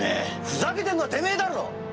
ふざけてんのはてめぇだろ！